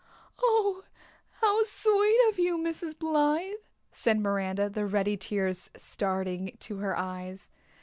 "Oh, how sweet of you, Mrs. Blythe," said Miranda, the ready tears starting to her eyes.